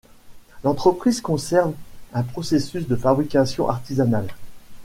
L’entreprise conserve un processus de fabrication artisanal.